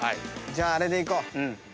じゃああれでいこう。